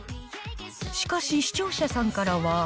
しかし、視聴者さんからは。